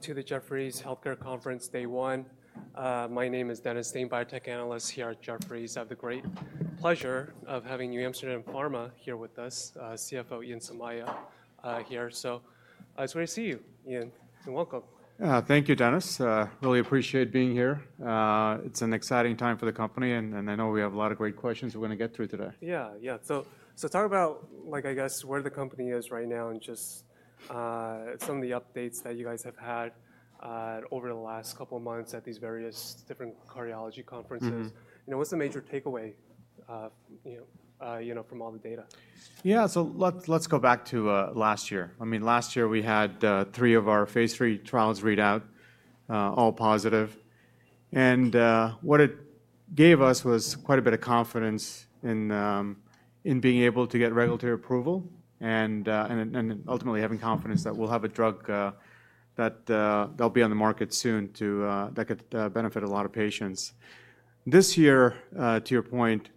To the Jefferies Healthcare Conference, Day One. My name is [Dennis Stein], Biotech Analyst here at Jefferies. I have the great pleasure of having NewAmsterdam Pharma here with us CFO, Ian Somaiya here. [Nice way] to see you, Ian and welcome. Thank you, Dennis. Really appreciate being here. It's an exciting time for the company, and I know we have a lot of great questions we're going to get through today. Yeah. Talk about, like, I guess, where the company is right now and just some of the updates that you guys have had over the last couple of months at these various different cardiology conferences. You know, what's the major takeaway from all the data? Yeah, so let's go back to last year. I mean, last year we had three of our phase III trials read out all positive. What it gave us was quite a bit of confidence in being able to get regulatory approval, and ultimately having confidence that we'll have a drug that'll be on the market soon, that could benefit a lot of patients. This year, to your point,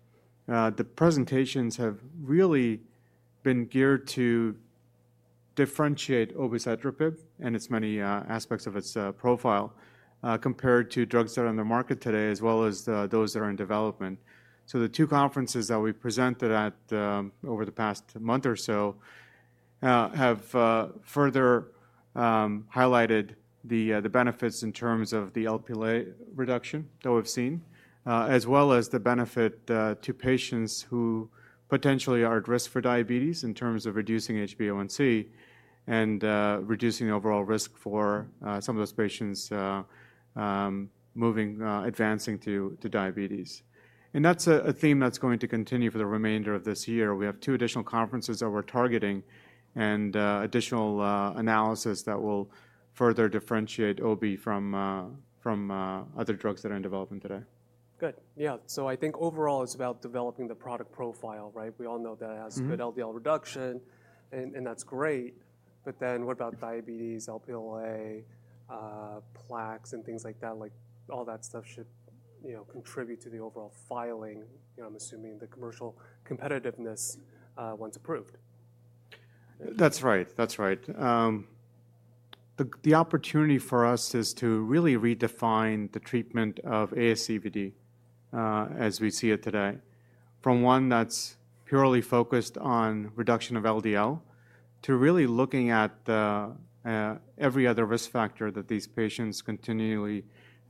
the presentations have really been geared to differentiate obicetrapib and its many aspects of its profile, compared to drugs that are on the market today as well as those that are in development. The two conferences that we presented over the past month or so have further highlighted the benefits in terms of the Lp(a) reduction that we've seen, as well as the benefit to patients who potentially are at risk for diabetes in terms of reducing HbA1c and reducing the overall risk for some of those patients advancing to diabetes. That's a theme that's going to continue for the remainder of this year. We have two additional conferences that we're targeting, and additional analysis that will further differentiate OB from other drugs that are in development today. Good, yeah. I think overall it's about developing the product profile, right? We all know that it has good LDL reduction and that's great, but then what about diabetes, Lp(a), plaques, and things like that? Like all that stuff should contribute to the overall filing, I'm assuming, the commercial competitiveness once approved. That's right. The opportunity for us is to really redefine the treatment of ASCVD as we see it today, from one that's purely focused on reduction of LDL to really looking at every other risk factor that these patients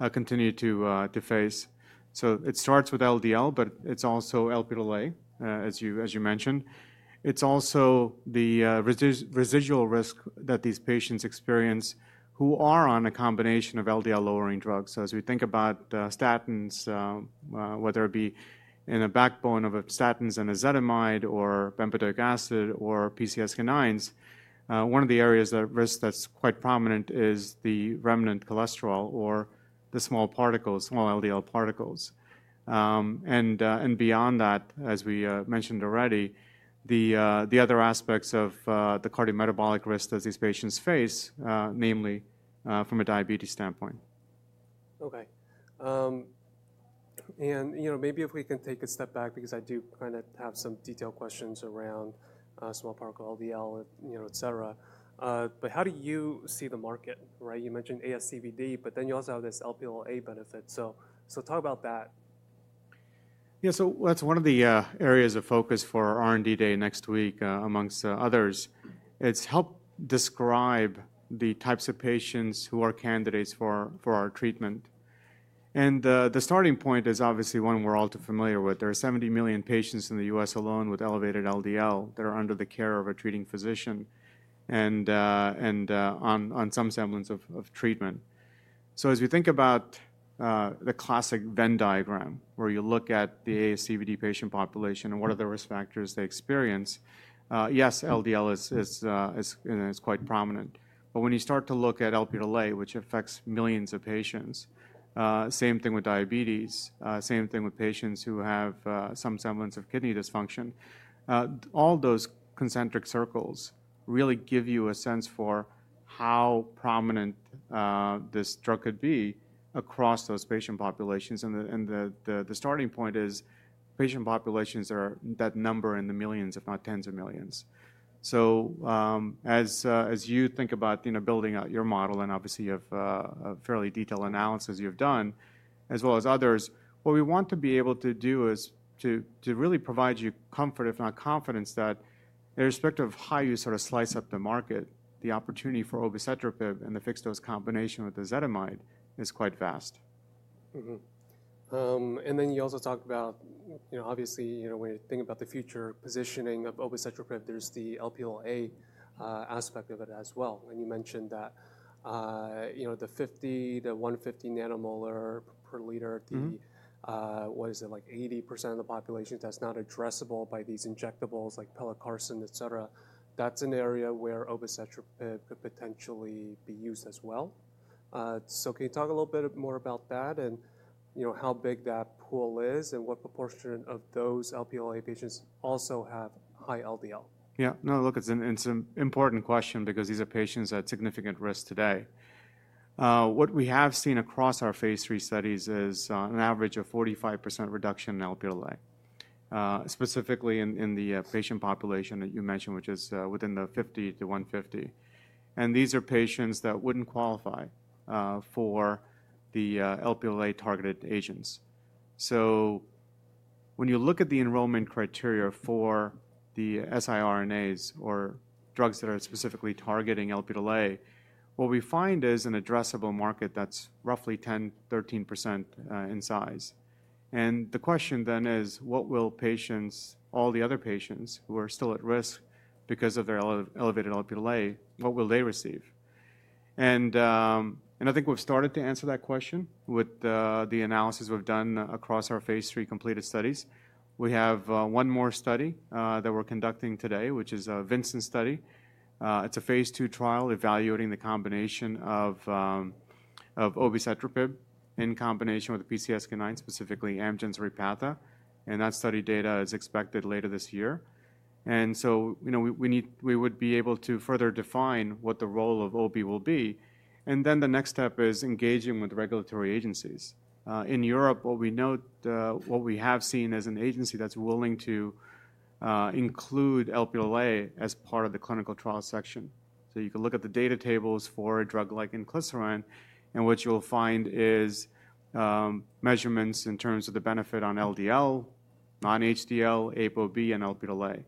continue to face. It starts with LDL, but it's also Lp(a), as you mentioned. It's also the residual risk that these patients experience, who are on a combination of LDL-lowering drugs. As we think about statins, whether it be in a backbone of statins and ezetimibe, or bempedoic acid or PCSK9s, one of the areas of risk that's quite prominent is the remnant cholesterol or the small LDL particles. Beyond that, as we mentioned already, the other aspects of the cardiometabolic risk that these patients face, namely from a diabetes standpoint. Okay. Maybe if we can take a step back, because I do kind of have some detailed questions around small particle LDL, etc., how do you see the market, right? You mentioned ASCVD, but then you also have this Lp(a) benefit. Talk about that. Yeah, so that's one of the areas of focus for R&D Day next week, amongst others. It's helped describe the types of patients who are candidates for our treatment. The starting point is obviously one we're all too familiar with. There are 70 million patients in the U.S. alone with elevated LDL that are under the care of a treating physician, and on some semblance of treatment. As we think about the classic Venn diagram, where you look at the ASCVD patient population and what are the risk factors they experience? Yes, LDL is quite prominent. When you start to look at Lp(a), which affects millions of patients, same thing with diabetes, same thing with patients who have some semblance of kidney dysfunction, all those concentric circles really give you a sense for how prominent this drug could be across those patient populations. The starting point is patient populations that number in the millions, if not tens of millions. As you think about building out your model and obviously the fairly detailed analysis you've done, as well as others, what we want to be able to do is to really provide you comfort, if not confidence, that irrespective of how you sort of slice up the market, the opportunity for obicetrapib and the fixed dose combination with ezetimibe is quite vast. You also talked about, obviously when you think about the future positioning of obicetrapib, there's the Lp(a) aspect of it as well. You mentioned that the 50-150 nanomole per liter, what is it? Like 80% of the population, that's not addressable by these injectables like Pelacarsen, etc. That's an area where obicetrapib could potentially be used as well. Can you talk a little bit more about that, and how big that pool is and what proportion of those Lp(a) patients also have high LDL? Yeah. No, look, it's an important question because these are patients at significant risk today. What we have seen across our phase III studies is an average of 45% reduction in Lp(a), specifically in the patient population that you mentioned, which is within the 50-150. These are patients that wouldn't qualify for the Lp(a) targeted agents. When you look at the enrollment criteria for the siRNAs or drugs that are specifically targeting Lp(a), what we find is an addressable market that's roughly 10%-13% in size. The question then is, all the other patients who are still at risk because of their elevated Lp(a), what will they receive? I think we've started to answer that question with the analysis we've done across our phase III completed studies. We have one more study that we're conducting today, which is a VINCENT study. It's a phase II trial evaluating the combination of obicetrapib, in combination with the PCSK9, specifically Amgen Repatha. That study data is expected later this year. We would be able to further define what the role of OB will be. The next step is engaging with regulatory agencies. In Europe, what we have seen is an agency that's willing to include Lp(a) as part of the clinical trial section. You can look at the data tables for a drug like inclisiran, in which you'll find measurements in terms of the benefit on LDL, non-HDL, ApoB, and Lp(a).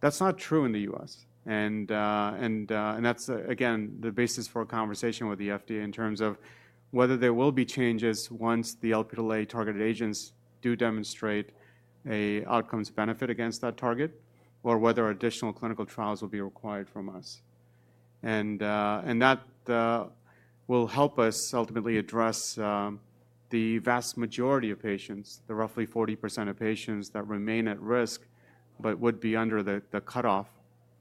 That's not true in the U.S. That's again, the basis for a conversation with the FDA in terms of whether there will be changes once the Lp(a) targeted agents do demonstrate an outcomes benefit against that target, or whether additional clinical trials will be required from us. That will help us ultimately address the vast majority of patients, the roughly 40% of patients that remain at risk, but would be under the cutoff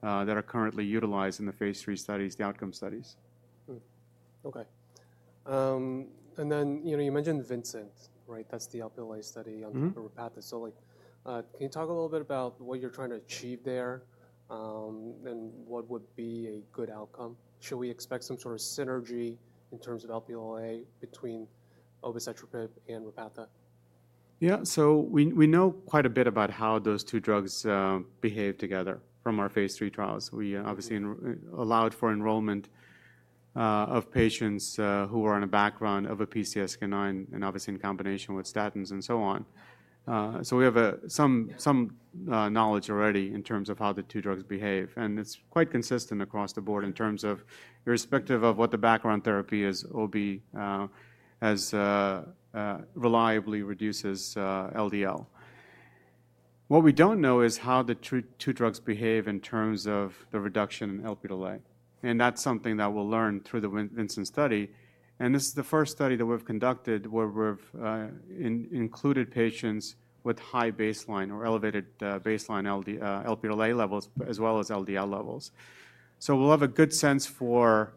that are currently utilized in the phase III studies, the outcome studies. Okay. You mentioned VINCENT, right? That's the Lp(a) study on the Repatha. Can you talk a little bit about what you're trying to achieve there, and what would be a good outcome? Should we expect some sort of synergy in terms of Lp(a) between obicetrapib and Repatha? Yeah. We know quite a bit about how those two drugs behave together from our phase III trials. We obviously allowed for enrollment of patients who are on a background of a PCSK9, and obviously in combination with statins and so on. We have some knowledge already in terms of how the two drugs behave. It is quite consistent across the board in terms of, irrespective of what the background therapy is, OB reliably reduces LDL. What we do not know is how the two drugs behave in terms of the reduction in Lp(a). That is something that we will learn through the VINCENT study. This is the first study that we have conducted, where we have included patients with high baseline or elevated baseline Lp(a) levels, as well as LDL levels. We will have a good sense for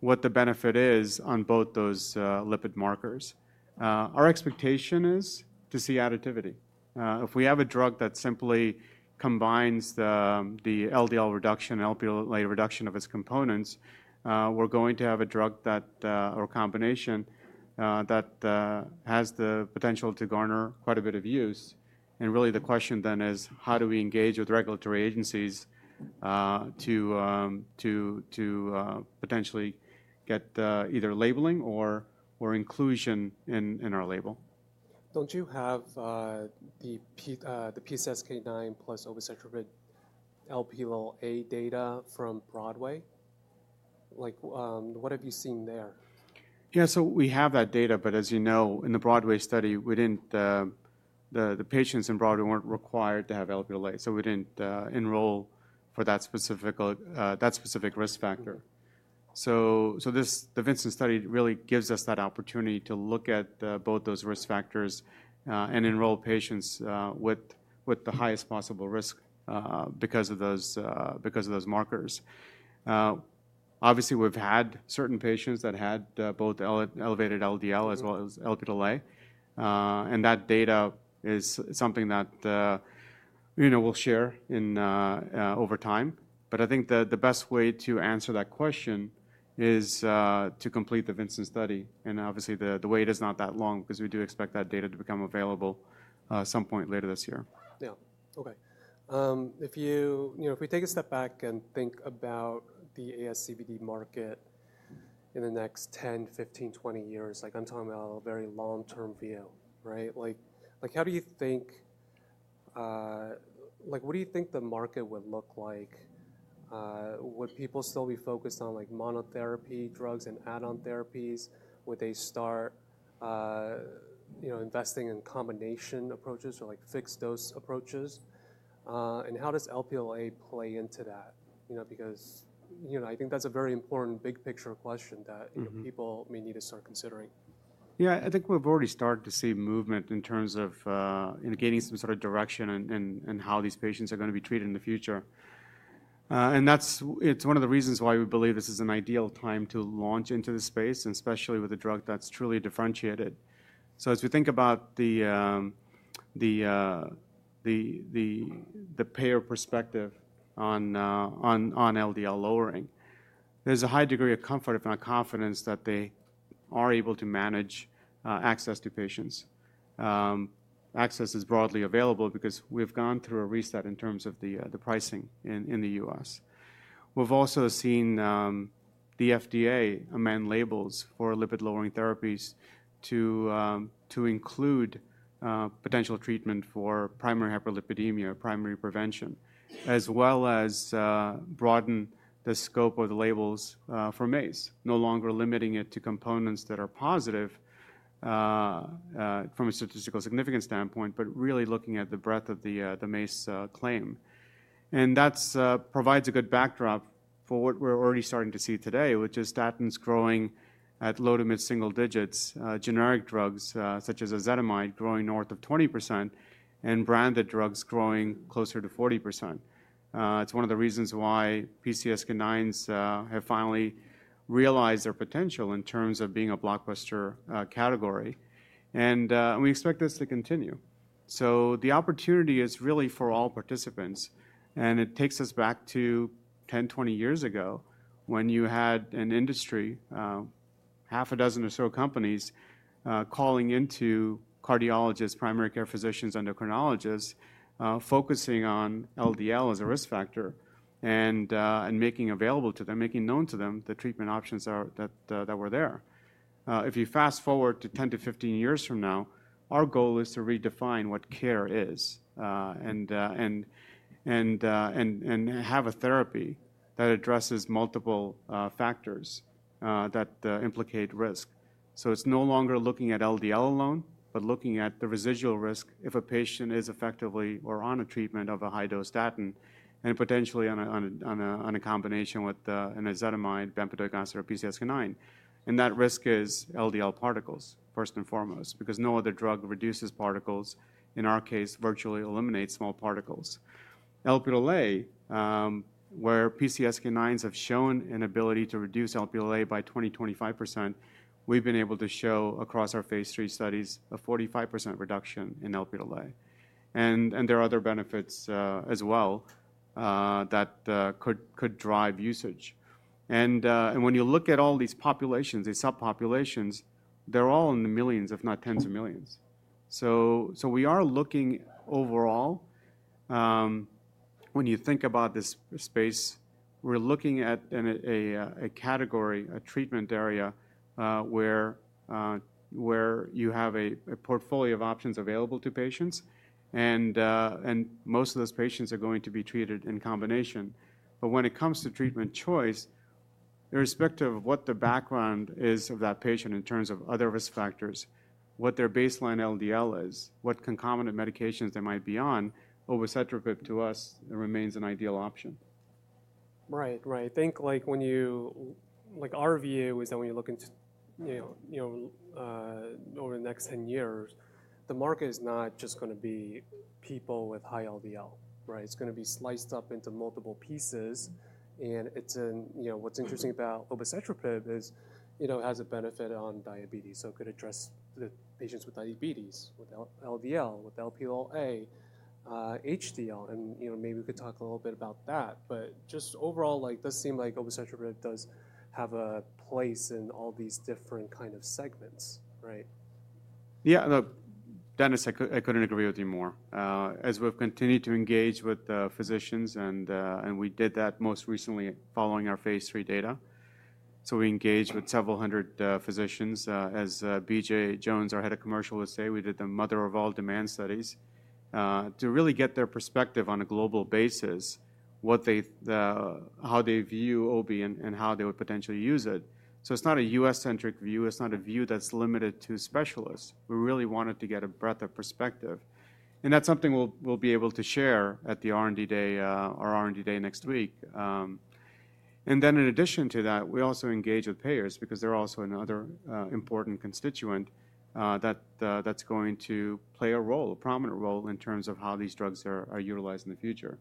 what the benefit is on both those lipid markers. Our expectation is to see additivity. If we have a drug that simply combines the LDL reduction and Lp(a) reduction of its components, we're going to have a drug or a combination that has the potential to garner quite a bit of use. Really, the question then is, how do we engage with regulatory agencies to potentially get either labeling or inclusion in our label? Don't you have the PCSK9 plus obicetrapib Lp(a) data from BROADWAY? Like, what have you seen there? Yeah, so we have that data, but as you know, in the BROADWAY study, the patients in BROADWAY were not required to have Lp(a). We did not enroll for that specific risk factor. The VINCENT study really gives us that opportunity to look at both those risk factors and enroll patients with the highest possible risk, because of those markers. Obviously, we have had certain patients that had both elevated LDL as well as Lp(a). That data is something that we will share over time. I think the best way to answer that question is to complete the VINCENT study. Obviously, the wait is not that long, because we do expect that data to become available at some point later this year. Yeah, okay. If we take a step back and think about the ASCVD market in the next 10, 15, 20 years, like I'm talking about a very long-term view, right? Like, what do you think the market would look like? Would people still be focused on monotherapy drugs and add-on therapies? Would they start investing in combination approaches or fixed-dose approaches? How does Lp(a) play into that? I think that's a very important big picture question that people may need to start considering. Yeah, I think we've already started to see movement in terms of gaining some sort of direction in how these patients are going to be treated in the future. It's one of the reasons why we believe this is an ideal time to launch into the space, especially with a drug that's truly differentiated. As we think about the payer perspective on LDL lowering, there's a high degree of comfort, if not confidence, that they are able to manage access to patients. Access is broadly available because we've gone through a reset in terms of the pricing in the U.S. We've also seen the FDA amend labels for lipid-lowering therapies, to include potential treatment for primary hyperlipidemia, primary prevention, as well as broaden the scope of the labels for MACE, no longer limiting it to components that are positive from a statistical significance standpoint, but really looking at the breadth of the MACE claim. That provides a good backdrop for what we're already starting to see today, which is statins growing at low to mid-single digits, generic drugs, such as ezetimibe growing north of 20% and branded drugs growing closer to 40%. It's one of the reasons why PCSK9s have finally realized their potential in terms of being a blockbuster category. We expect this to continue, so the opportunity is really for all participants. It takes us back to 10, 20 years ago, when you had an industry, half a dozen or so companies calling into cardiologists, primary care physicians, endocrinologists, focusing on LDL as a risk factor and making available to them, making known to them the treatment options that were there. If you fast forward to 10-15 years from now, our goal is to redefine what care is and have a therapy that addresses multiple factors that implicate risk. It is no longer looking at LDL alone, but looking at the residual risk if a patient is effectively or on a treatment of a high-dose statin, and potentially on a combination with an ezetimibe, bempedoic acid, or PCSK9. That risk is LDL particles, first and foremost, because no other drug reduces particles, in our case, virtually eliminates small particles. Lp(a), where PCSK9s have shown an ability to reduce Lp(a) by 20%-25%, we've been able to show across our phase III studies, a 45% reduction in Lp(a). There are other benefits as well that could drive usage. When you look at all these populations, these subpopulations, they're all in the millions, if not tens of millions. Overall, when you think about this space, we're looking at a category, a treatment area where you have a portfolio of options available to patients. Most of those patients are going to be treated in combination. When it comes to treatment choice, irrespective of what the background is of that patient in terms of other risk factors, what their baseline LDL is, what concomitant medications they might be on, obicetrapib to us remains an ideal option. Right. I think our view is that when you look at, over the next 10 years, the market is not just going to be people with high LDL, right? It's going to be sliced up into multiple pieces. What's interesting about obicetrapib is it has a benefit on diabetes. It could address the patients with diabetes, with LDL, with Lp(a), HDL. Maybe we could talk a little bit about that. Just overall, it does seem like obicetrapib does have a place in all these different kind of segments, right? Yeah. No, Dennis, I couldn't agree with you more. As we've continued to engage with physicians, and we did that most recently following our phase III data, so we engaged with several hundred physicians. As BJ Jones, our Head of Commercial would say, we did the mother of all demand studies to really get their perspective on a global basis, how they view OB and how they would potentially use it. It is not a U.S.-centric view. It is not a view that's limited to specialists. We really wanted to get a breadth of perspective. That is something we'll be able to share at the R&D Day next week. In addition to that, we also engage with payers because they're also another important constituent that's going to play a prominent role in terms of how these drugs are utilized in the future.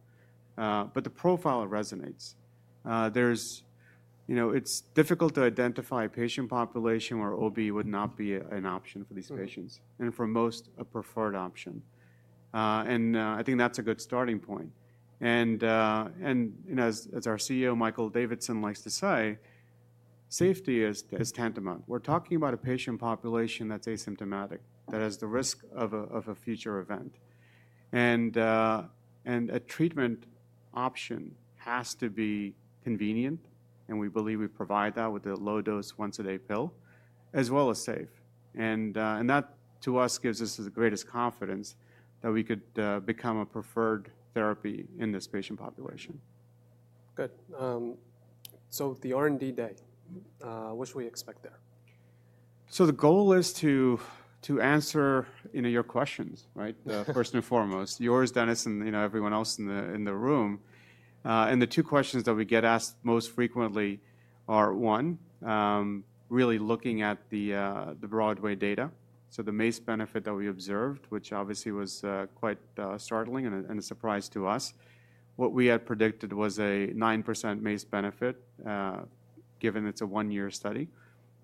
The profile resonates. It's difficult to identify a patient population where OB would not be an option for these patients, and for most, a preferred option. I think that's a good starting point. As our CEO, Michael Davidson likes to say, safety is tantamount. We're talking about a patient population that's asymptomatic, that has the risk of a future event. A treatment option has to be convenient. We believe we provide that with a low-dose once-a-day pill, as well as safe. That to us, gives us the greatest confidence that we could become a preferred therapy in this patient population. Good. The R&D Day, what should we expect there? The goal is to answer your questions, right? First and foremost, yours, Dennis and everyone else in the room. The two questions that we get asked most frequently are, one, really looking at the BROADWAY data. The MACE benefit that we observed, which obviously was quite startling and a surprise to us, what we had predicted was a 9% MACE benefit, given it's a one-year study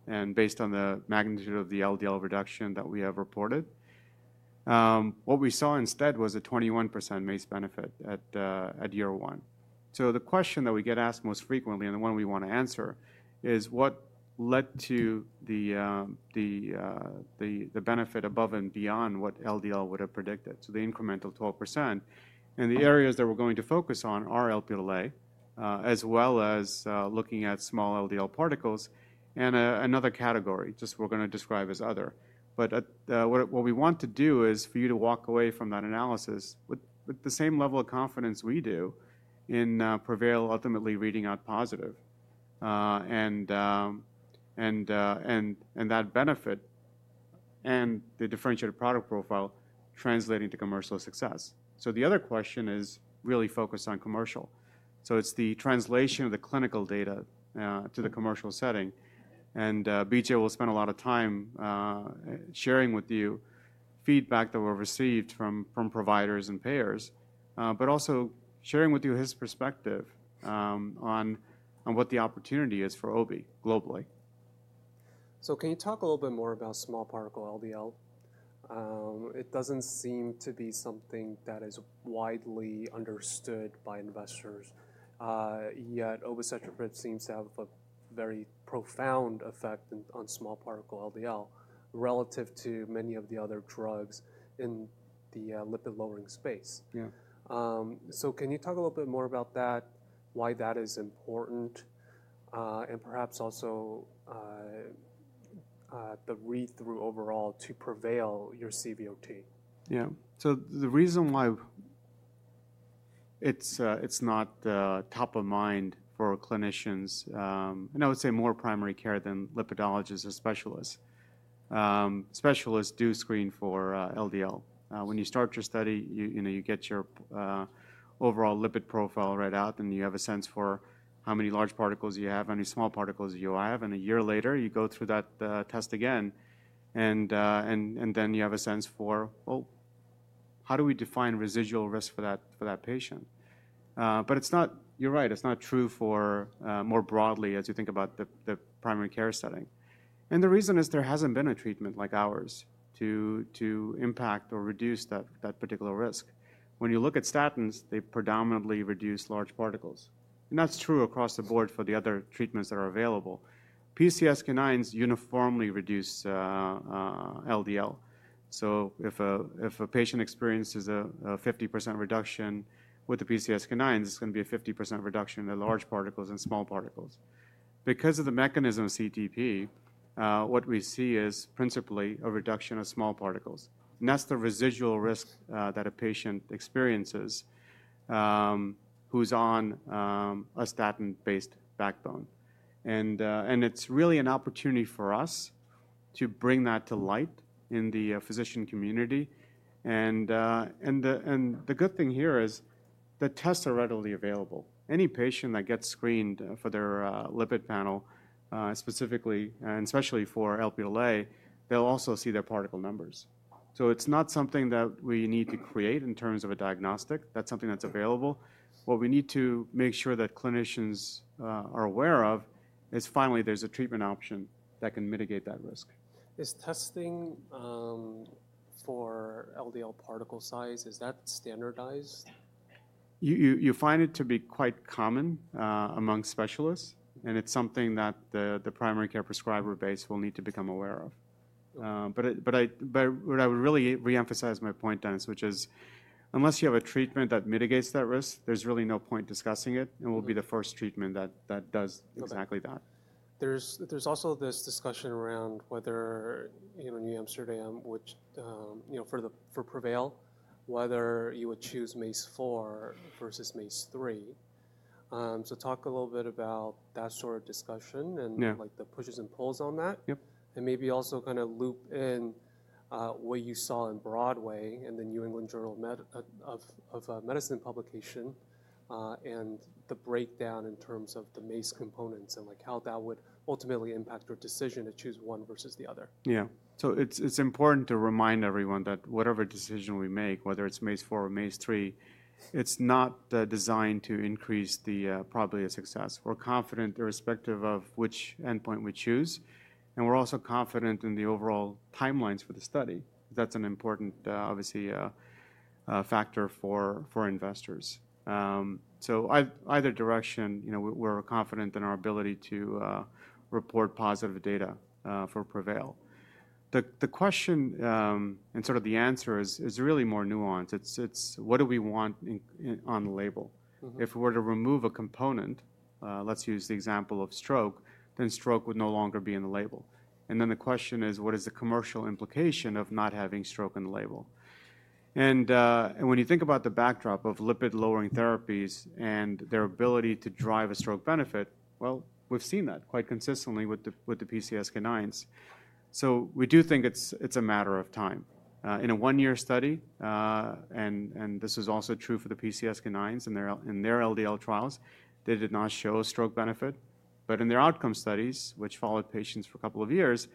and based on the magnitude of the LDL reduction that we have reported. What we saw instead was a 21% MACE benefit at year one. The question that we get asked most frequently and the one we want to answer is, what led to the benefit above and beyond what LDL would have predicted? The incremental 12%. The areas that we're going to focus on are Lp(a), as well as looking at small LDL particles and another category, just we're going to describe as other. What we want to do is for you to walk away from that analysis with the same level of confidence we do in PreVeil ultimately reading out positive, and that benefit and the differentiated product profile translating to commercial success. The other question is really focused on commercial. It is the translation of the clinical data to the commercial setting. BJ will spend a lot of time sharing with you feedback that we've received from providers and payers, but also sharing with you his perspective on what the opportunity is for OB globally. Can you talk a little bit more about small particle LDL? It does not seem to be something that is widely understood by investors. Yet obicetrapib seems to have a very profound effect on small particle LDL, relative to many of the other drugs in the lipid-lowering space. Can you talk a little bit more about that, why that is important and perhaps also the read-through overall to PreVeil, your CVOT? Yeah. The reason why it's not top of mind for clinicians, and I would say more primary care than lipidologists or specialists, specialists do screen for LDL. When you start your study, you get your overall lipid profile read out, then you have a sense for how many large particles you have, how many small particles you have. A year later, you go through that test again. You have a sense for, well, how do we define residual risk for that patient? You're right, it's not true more broadly as you think about the primary care setting. The reason is, there hasn't been a treatment like ours to impact or reduce that particular risk. When you look at statins, they predominantly reduce large particles. That's true across the board for the other treatments that are available, PCSK9s uniformly reduce LDL. If a patient experiences a 50% reduction with the PCSK9s, it's going to be a 50% reduction in the large particles and small particles, because of the mechanism of CETP, what we see is principally a reduction of small particles. That's the residual risk that a patient experiences, who's on a statin-based backbone. It's really an opportunity for us to bring that to light in the physician community. The good thing here is the tests are readily available. Any patient that gets screened for their lipid panel specifically, and especially for Lp(a), they'll also see their particle numbers. It's not something that we need to create in terms of a diagnostic. That's something that's available. What we need to make sure that clinicians are aware of is, finally, there's a treatment option that can mitigate that risk. Testing for LDL particle size, is that standardized? You find it to be quite common among specialists. It is something that the primary care prescriber base will need to become aware of. I would really re-emphasize my point, Dennis, which is unless you have a treatment that mitigates that risk, there is really no point discussing it. It will be the first treatment that does exactly that. Okay. There's also this discussion around whether in NewAmsterdam, for PreVeil, whether you would choose MACE-4 versus MACE-3. Talk a little bit about that sort of discussion, and the pushes and pulls on that. Maybe also kind of loop in what you saw in BROADWAY, and the New England Journal of Medicine publication and the breakdown in terms of the MACE components, and how that would ultimately impact your decision to choose one versus the other. Yeah. It is important to remind everyone that whatever decision we make, whether it is MACE-4 or MACE-3, it is not designed to increase the probability of success. We are confident irrespective of which endpoint we choose. We are also confident in the overall timelines for the study. That is an important, obviously factor for investors. Either direction, we are confident in our ability to report positive data for PreVeil. The question and sort of the answer is really more nuanced. It is, what do we want on the label? If we were to remove a component, let us use the example of stroke, then stroke would no longer be in the label. The question is, what is the commercial implication of not having stroke in the label? When you think about the backdrop of lipid-lowering therapies and their ability to drive a stroke benefit, we've seen that quite consistently with the PCSK9s. We do think it's a matter of time. In a one-year study, and this is also true for the PCSK9s and their LDL trials, they did not show a stroke benefit. In their outcome studies, which followed patients for a couple of years,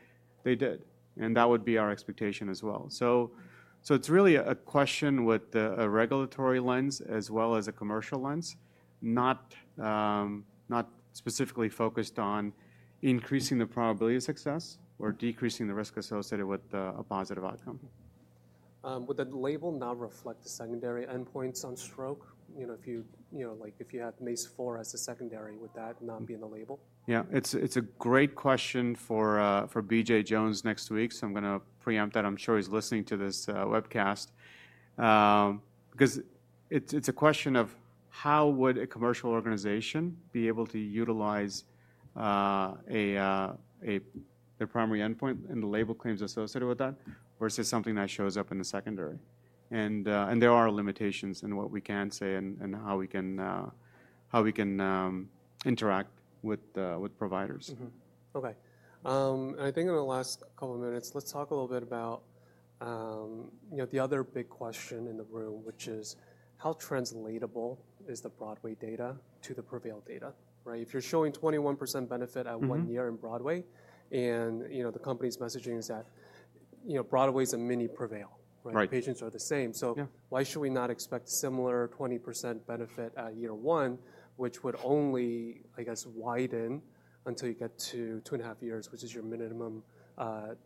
they did. That would be our expectation as well. It's really a question with a regulatory lens, as well as a commercial lens, not specifically focused on increasing the probability of success or decreasing the risk associated with a positive outcome. Would that label not reflect the secondary endpoints on stroke? If you had MACE-4 as a secondary, would that not be in the label? Yeah, it's a great question for BJ Jones next week. I'm going to preempt that, I'm sure he's listening to this webcast. It's a question of, how would a commercial organization be able to utilize their primary endpoint and the label claims associated with that versus something that shows up in the secondary? There are limitations in what we can say and how we can interact with providers. Okay. I think in the last couple of minutes, let's talk a little bit about the other big question in the room, which is, how translatable is the BROADWAY data to the PreVeil data, right? If you're showing 21% benefit at one year in BROADWAY, and the company's messaging is that BROADWAY is a mini PreVeil, right? Patients are the same. Why should we not expect similar 20% benefit at year one, which would only, I guess, widen until you get to two and a half years, which is your minimum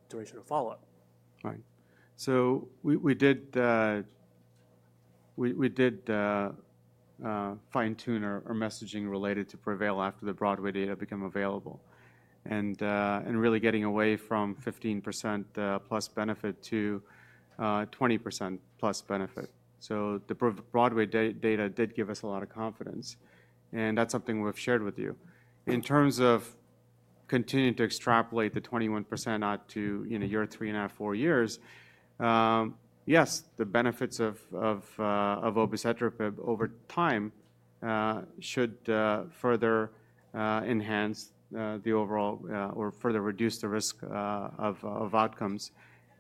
duration of follow-up? Right. We did fine-tune our messaging related to PreVeil after the BROADWAY data became available, and really getting away from 15% plus benefit to 20% plus benefit. The BROADWAY data did give us a lot of confidence. That is something we've shared with you. In terms of continuing to extrapolate the 21% out to year three and a half, four years, yes, the benefits of obicetrapib over time should further enhance the overall or further reduce the risk of outcomes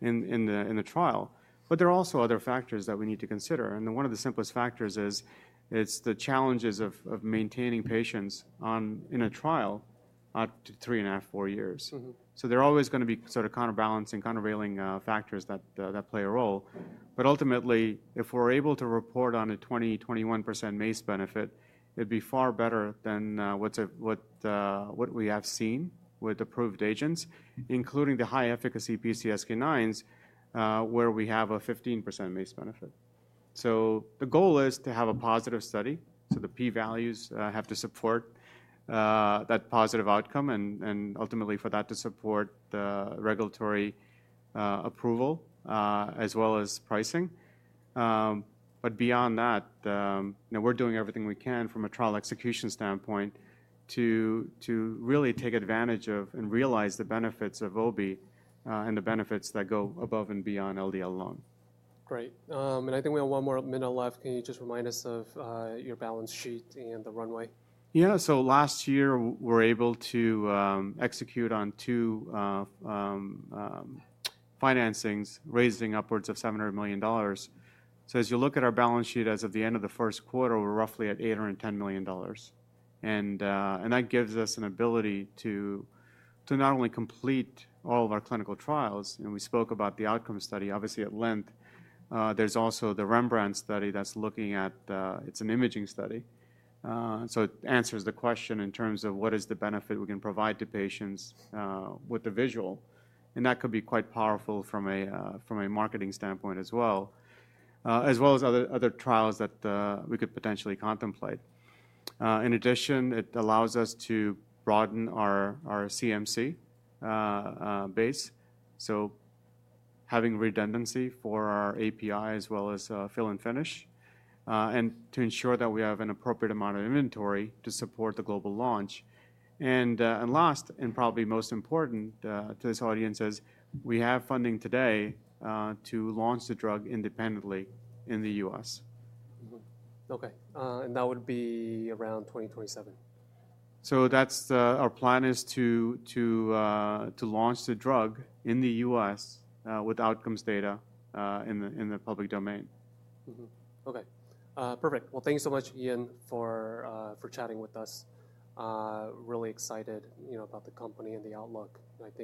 in the trial. There are also other factors that we need to consider. One of the simplest factors is the challenges of maintaining patients in a trial out to three and a half, four years. There are always going to be sort of counterbalancing, countervailing factors that play a role. Ultimately, if we're able to report on a 20%-21% MACE benefit, it'd be far better than what we have seen with approved agents, including the high-efficacy PCSK9s, where we have a 15% MACE benefit. The goal is to have a positive study. The p-values have to support that positive outcome, and ultimately for that to support the regulatory approval as well as pricing. Beyond that, we're doing everything we can from a trial execution standpoint to really take advantage of and realize the benefits of OB, and the benefits that go above and beyond LDL alone. Great. I think we have one more minute left. Can you just remind us of your balance sheet and the runway? Yeah. Last year, we were able to execute on two financings raising upwards of $700 million. As you look at our balance sheet as of the end of the first quarter, we're roughly at $810 million. That gives us an ability to not only complete all of our clinical trials. We spoke about the outcome study obviously at length. There is also the Rembrandt study that is looking at, it is an imaging study. It answers the question in terms of, what is the benefit we can provide to patients with the visual? That could be quite powerful from a marketing standpoint as well, as well as other trials that we could potentially contemplate. In addition, it allows us to broaden our CMC base, so having redundancy for our API as well as fill and finish, and to ensure that we have an appropriate amount of inventory to support the global launch. Last, and probably most important to this audience is, we have funding today to launch the drug independently in the U.S. Okay, and that would be around 2027. Our plan is to launch the drug in the U.S., with outcomes data in the public domain. Okay, perfect. Thank you so much, Ian for chatting with us. Really excited about the company and the outlook. [Thank you].